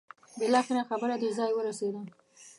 بالاخره خبره دې ځای ورسېده.